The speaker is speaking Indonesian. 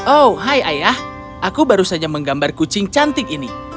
oh hai ayah aku baru saja menggambar kucing cantik ini